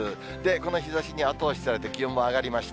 この日ざしに後押しされて気温も上がりました。